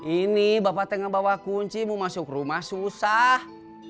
ini bapak tengah bawa kunci mau masuk rumah susah